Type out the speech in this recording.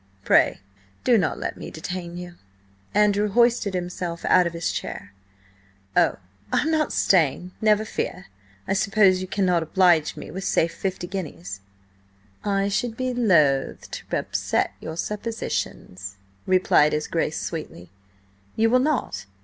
Pray do not let me detain you." Andrew hoisted himself out of his chair. "Oh, I'm not staying, never fear! ... I suppose you cannot oblige me with–say–fifty guineas?" "I should be loth to upset your suppositions," replied his Grace sweetly. "You will not?